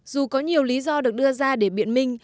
dù có nhiều lý do được đưa ra để biện minh